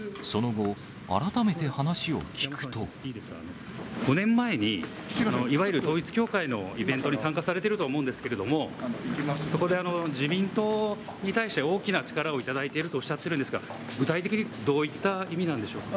その後、５年前に、いわゆる統一教会のイベントに参加されてると思うんですけれども、そこで自民党に対して大きな力を頂いているとおっしゃっているんですが、具体的にどういった意味なんでしょう？